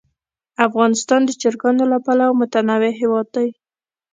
افغانستان د چرګانو له پلوه متنوع هېواد دی.